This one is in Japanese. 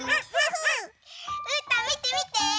うーたんみてみて！